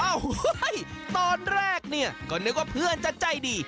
โอ้โหตอนแรกเนี่ยก็นึกว่าเพื่อนจะใจดี